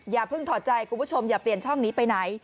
อย่าเพิ่งถอดใจคุณผู้ชมอย่าเปลี่ยนช่องนี้ไปไหน